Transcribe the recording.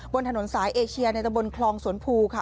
บนถนนสายเอเชียในตะบนคลองสวนภูค่ะ